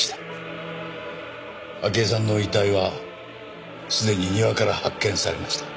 明江さんの遺体はすでに庭から発見されました。